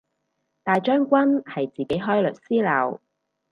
大將軍係自己開律師樓